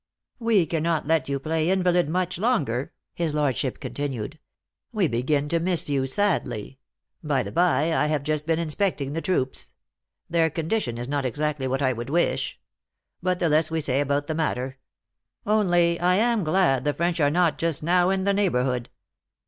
" We cannot let you play invalid much longer," his lordship continued. " We begin to miss you sadly. 58 THE ACTRESS IN HIGH LIFE. By the by, I have just been inspecting the troops. Their condition is not exactly what I would wish. But the less we say about the matter only I am glad the French are not just now in the neighbor hood."